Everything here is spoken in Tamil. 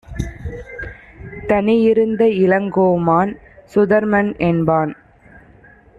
தனியிருந்த இளங்கோமான் சுதர்மன் என்பான்